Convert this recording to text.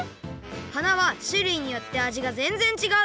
花はしゅるいによってあじがぜんぜんちがう。